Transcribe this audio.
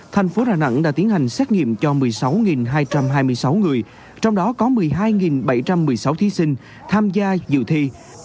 thành phố đà nẵng đã tiến hành xét nghiệm cho một mươi sáu hai trăm hai mươi sáu người trong đó có một mươi hai bảy trăm một mươi sáu thí sinh tham gia dự thi